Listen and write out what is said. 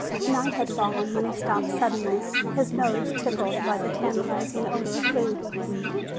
Night had fallen when he stopped suddenly, his nose tickled by the tantalizing odor of food.